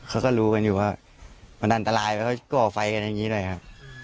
เขาก็รู้กันอยู่ว่ามันอันตรายแล้วเขาก่อไฟกันอย่างนี้ด้วยครับ